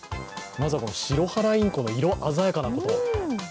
まずは、シロハラインコの色鮮やかなこと。